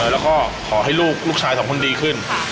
แล้วก็ขอให้ลูกชายสองคนดีขึ้น